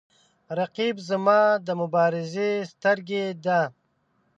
رقیب زما د مبارزې سترګې ده